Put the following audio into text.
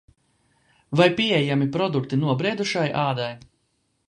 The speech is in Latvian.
Vai pieejami produkti nobriedušai ādai?